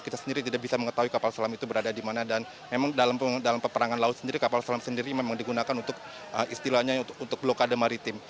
kita sendiri tidak bisa mengetahui kapal selam itu berada di mana dan memang dalam peperangan laut sendiri kapal selam sendiri memang digunakan untuk istilahnya untuk blokade maritim